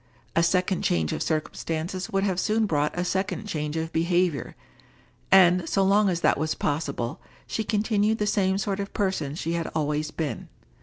A second change of circumstances would have soon brought a second change of behavior; and, so long as that was possible, she continued the same sort of person she had always been.